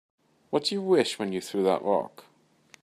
What'd you wish when you threw that rock?